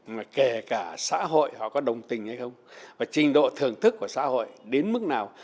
mà kể cả xã hội họ có đồng tình hay không và trình độ thưởng thức của xã hội đến mức nào